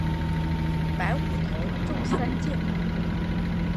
白虎头中三箭。